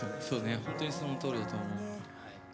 本当にそのとおりだと思う。